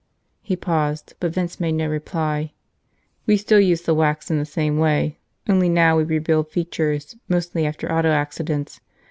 He paused, but Vince made no reply. "We still use the wax in the same way, only now we rebuild features mostly after auto accidents.